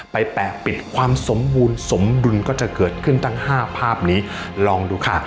แปะปิดความสมบูรณ์สมดุลก็จะเกิดขึ้นตั้ง๕ภาพนี้ลองดูค่ะ